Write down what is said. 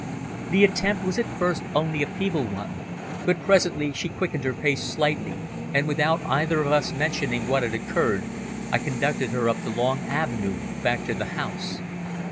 The attempt was at first only a feeble one, but presently she quickened her pace slightly and, without either of us mentioning what had occurred, I conducted her up the long avenue back to the house.